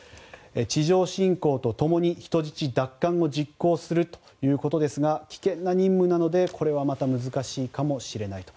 地上侵攻とともに人質奪還を実行するということですが危険な任務なのでこれはまた難しいかもしれないと。